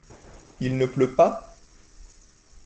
Il ne pleut pas ?